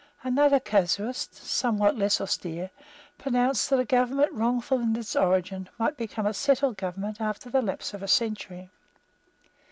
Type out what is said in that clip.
Another casuist, somewhat less austere, pronounced that a government, wrongful in its origin, might become a settled government after the lapse of a century.